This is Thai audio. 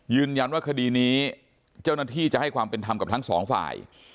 ยืนยันว่าคดีนี้เจ้าหน้าที่จะให้ความเป็นธรรมกับทั้งสองฝ่าย